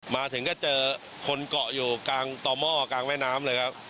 มาถึงก็เจอคนเกาะอยู่กลางต่อหม้อกลางแม่น้ำเลยครับ